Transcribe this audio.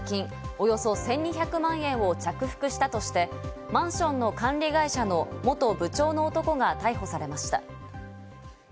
およそ１２００万円を着服したとして、マンションの管理会社の元部長の男が逮捕されました。